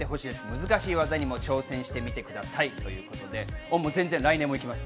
難しい技にも挑戦してみてくださいということで、俺、来年も行きます。